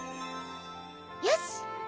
よし！